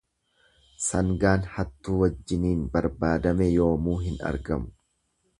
Sangaan hattuu wajjiniin barbaadame yoomuu hin argamu.